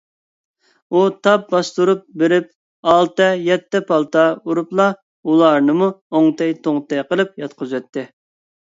ئۇ تاپ باستۇرۇپ بېرىپ، ئالتە - يەتتە پالتا ئۇرۇپلا ئۇلارنىمۇ ئوڭتەي - توڭتەي قىلىپ ياتقۇزۇۋەتتى.